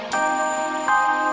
gak ada yang bisa diberi